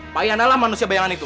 bayangkanlah manusia bayangan itu